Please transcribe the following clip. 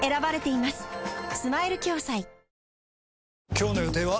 今日の予定は？